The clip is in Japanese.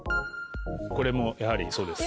これもやはりそうです。